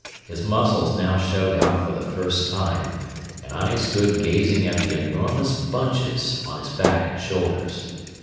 His muscles now showed out for the first time, and I stood gazing at the enormous bunches on his back and shoulders.